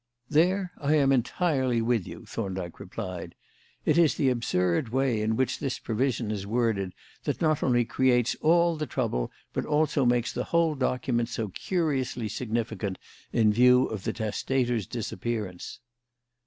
"There I am entirely with you," Thorndyke replied. "It is the absurd way in which this provision is worded that not only creates all the trouble but also makes the whole document so curiously significant in view of the testator's disappearance."